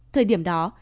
thời điểm đó